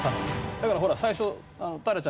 だからほら最初。